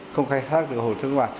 không khai thác được hồ thác bạc